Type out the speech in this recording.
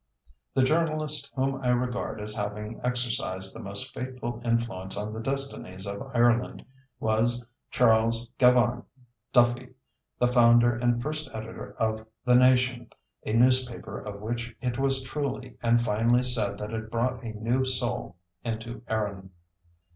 The journalist whom I regard as having exercised the most fateful influence on the destinies of Ireland was Charles Gavan Duffy, the founder and first editor of the Nation, a newspaper of which it was truly and finely said that it brought a new soul into Erin.